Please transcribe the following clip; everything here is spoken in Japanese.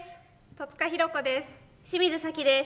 戸塚寛子です。